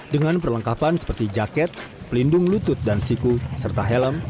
dengan perlengkapan seperti jaket pelindung lutut dan siku serta helm